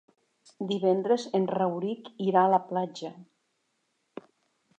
Divendres en Rauric irà a la platja.